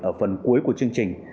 ở phần cuối của chương trình